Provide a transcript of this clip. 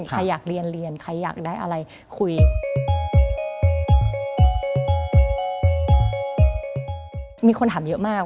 ใครอยากเรียนใครอยากได้อะไรคุย